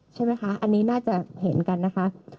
ใช่ไหมคะอันนี้น่าจะเห็นกันนะคะ